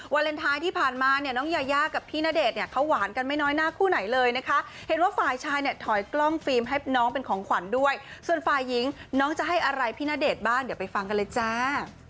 เลนไทยที่ผ่านมาเนี่ยน้องยายากับพี่ณเดชน์เนี่ยเขาหวานกันไม่น้อยหน้าคู่ไหนเลยนะคะเห็นว่าฝ่ายชายเนี่ยถอยกล้องฟิล์มให้น้องเป็นของขวัญด้วยส่วนฝ่ายหญิงน้องจะให้อะไรพี่ณเดชน์บ้างเดี๋ยวไปฟังกันเลยจ้า